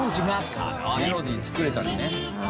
メロディー作れたりね。